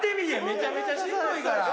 めちゃめちゃしんどいから！